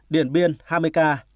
điện biên hai mươi ca